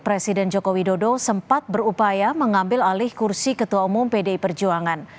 presiden joko widodo sempat berupaya mengambil alih kursi ketua umum pdi perjuangan